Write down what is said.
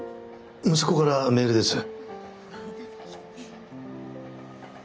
息子からメールです。